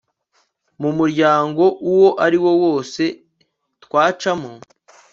mu muryango uwo ariwo wose twacamo